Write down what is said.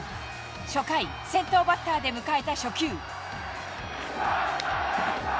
初回、先頭バッターで迎えた初球。